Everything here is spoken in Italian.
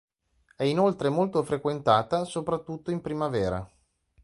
È inoltre molto frequentata, soprattutto in primavera.